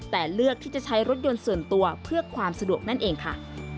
แต่เลือกที่จะใช้รถยนต์ส่วนตัวเพื่อความสะดวกนั่นเองค่ะ